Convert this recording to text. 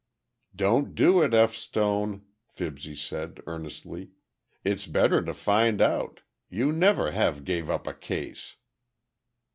"Don't do it, F. Stone," Fibsy said, earnestly. "It's better to find out. You never have gave up a case."